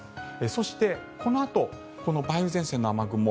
そして、このあとこの梅雨前線の雨雲